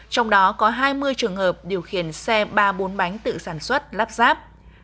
trong đó có hai mươi trường hợp điều khiển xe ba bốn bánh tự sản xuất lắp ráp